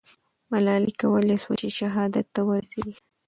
ملالۍ کولای سوای چې شهادت ته ورسېږي.